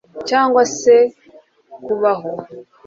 cyangwa se bakuraho